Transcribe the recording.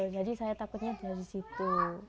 jadi saya takutnya dari situ